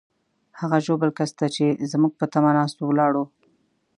هغه ژوبل کس ته چې زموږ په تمه ناست وو، ولاړو.